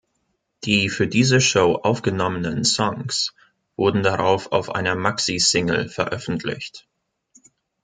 Die für diese Show aufgenommenen Songs wurden darauf auf einer Maxi-Single veröffentlicht.